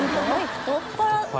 太っ腹。